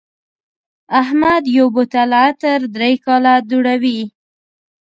احمد یو بوتل عطر درې کاله دوړوي.